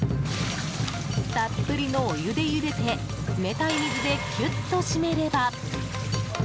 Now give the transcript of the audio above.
たっぷりのお湯でゆでて冷たい水でキュッと締めれば。